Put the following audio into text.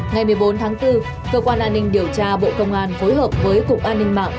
ngày một mươi bốn tháng bốn cơ quan an ninh điều tra bộ công an phối hợp với cục an ninh mạng